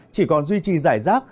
chỉ còn duy trì giải rác